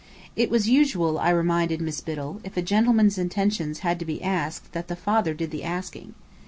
It was usual, I reminded Miss Biddell, if a gentleman's intentions had to be asked, that the father did the asking.